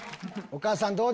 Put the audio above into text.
お母さん。